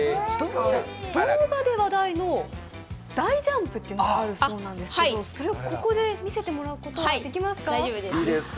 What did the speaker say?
動画で話題の大ジャンプというのがあるそうなんですけどそれをここで見せてもらうことはできますか？